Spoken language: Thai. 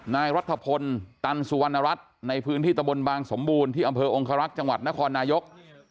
นายรัฐพลตันสุวรรณรัฐในพื้นที่ตะบนบางสมบูรณ์ที่อำเภอองคารักษ์จังหวัดนครนายก